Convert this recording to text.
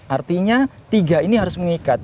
artinya tiga ini harus mengikat